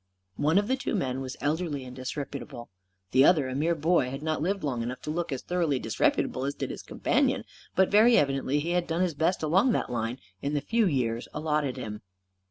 One of the two men was elderly and disreputable. The other, a mere boy, had not lived long enough to look as thoroughly disreputable as did his companion, but very evidently he had done his best along that line in the few years allotted him.